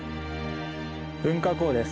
噴火口です。